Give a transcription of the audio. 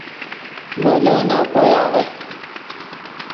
مولو نَکوئے آغت